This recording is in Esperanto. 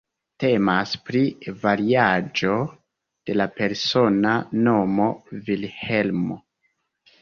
Temas pri variaĵo de la persona nomo Vilhelmo.